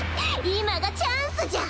今がチャンスじゃ。